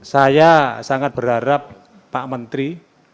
saya sangat berharap pak menteri